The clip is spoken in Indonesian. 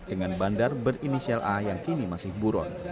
dengan bandar berinisial a yang kini masih buron